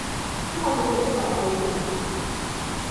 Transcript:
中華民國憲法規定